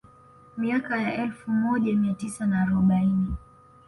Miaka ya elfu moja mia tisa na arobaini